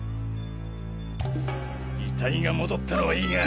遺体が戻ったのはいいが。